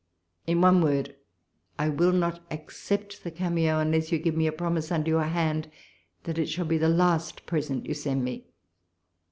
In one word, I will not accept the cameo, unless you give me a promise under your hand that it shall be the last present you send me.